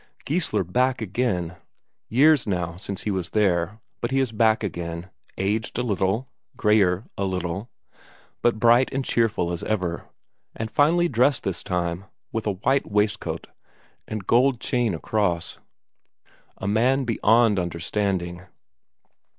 Geissler back again. Years now since he was there, but he is back again, aged a little, greyer a little, but bright and cheerful as ever. And finely dressed this time, with a white waistcoat and gold chain across. A man beyond understanding!